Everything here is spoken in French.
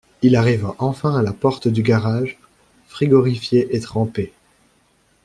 Il arriva enfin à la porte du garage, frigorifié et trempé.